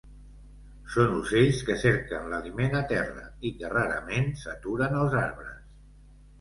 Són ocells que cerquen l'aliment a terra i que rarament s'aturen als arbres.